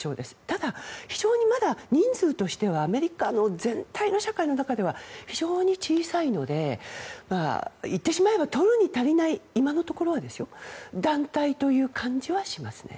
ただ、非常にまだ人数としてはアメリカの全体の社会の中では非常に小さいので言ってしまえば、とるに足らない今のところはですよ団体という感じはしますね。